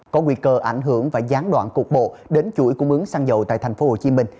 có nguy cơ ảnh hưởng và gián đoạn cuộc bộ đến chuỗi cung ứng xăng dầu tại tp hcm